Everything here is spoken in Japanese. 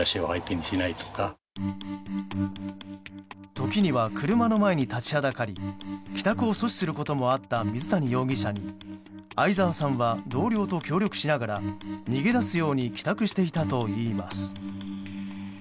時には車の前に立ちはだかり帰宅を阻止することもあった水谷容疑者に相沢さんは同僚と協力しながら逃げ出すように帰宅していたといいます。